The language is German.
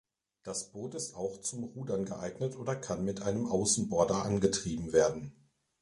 Das Boot ist auch zum Rudern geeignet oder kann mit einem Außenborder angetrieben werden.